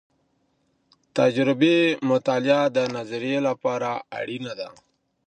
تجربي مطالعه د نظريې لپاره اړينه ده.